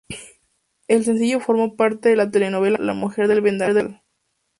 El sencillo formó parte de la telenovela mexicana "La mujer del Vendaval".